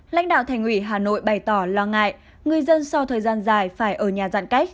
lãnh đạo thành ủy hà nội bày tỏ lo ngại người dân sau thời gian dài phải ở nhà giãn cách